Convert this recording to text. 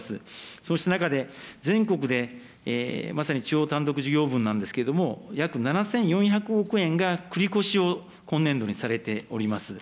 そうした中で全国でまさに地方単独事業分なんですけれども、約７４００億円が繰り越しを今年度にされております。